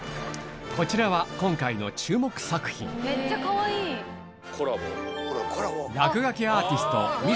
こちらは今回の注目作品落書きアーティスト